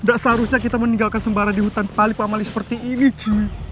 tidak seharusnya kita meninggalkan sembara di hutan palipamali seperti ini cu